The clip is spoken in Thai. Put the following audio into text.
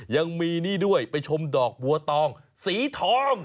ยังมีนี่ด้วยไปชมดอกบัวตองสีทอง